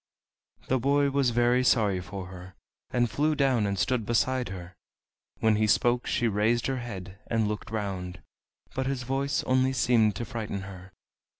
The boy was very sorry for her and flew down and stood beside her. When he spoke she raised her head and looked round, but his voice only seemed to frighten her.